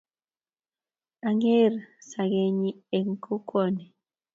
ang'er sengenyin eng kokwoni